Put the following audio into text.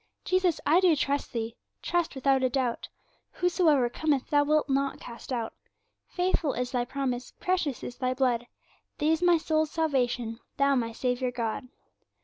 Jesus, I do trust Thee, trust without a doubt, Whosoever cometh Thou wilt not cast out: Faithful is Thy promise, precious is Thy blood These my soul's salvation, Thou my Saviour God!'